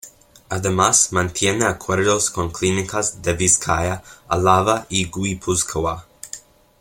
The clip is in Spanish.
Además mantiene acuerdos con clínicas de Vizcaya, Álava y Guipúzcoa.